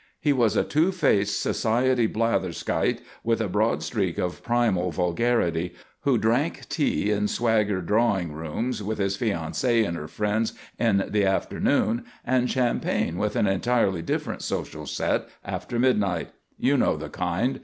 He was a two faced society blatherskite, with a broad streak of primal vulgarity, who drank tea in swagger drawing rooms with his fiancée and her friends in the afternoon and champagne with an entirely different social set after midnight. You know the kind.